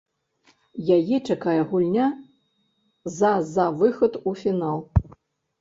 Яе чакае гульня за за выхад у фінал.